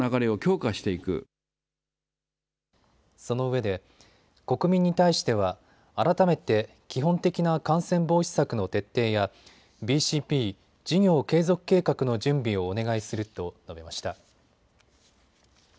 そのうえで国民に対しては改めて基本的な感染防止策の徹底やＢＣＰ・事業継続計画の準備をお願いすると述べました。